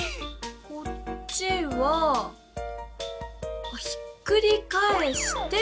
こっちはひっくりかえして。